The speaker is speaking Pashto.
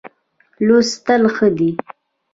لوستل ښه دی.